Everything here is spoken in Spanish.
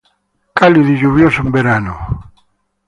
Cálido y lluvioso en verano.